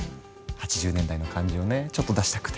８０年代の感じをねちょっと出したくて。